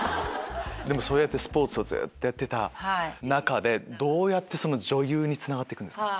そうやってスポーツをずっとやってた中でどうやって女優につながって行くんですか？